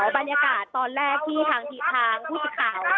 อ๋อบรรยากาศตอนแรกที่ทางผู้จิตข่าว